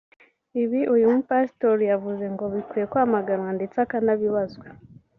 Ibi uyu mupasitori yavuze ngo bikwiye kwamaganwa ndetse akanabibazwa